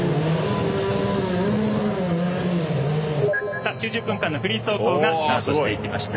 さあ９０分間のフリー走行がスタートしていきました。